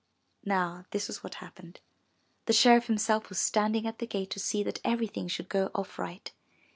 Now this was what happened. The sheriff himself was standing at the gate to see that everything should go off right.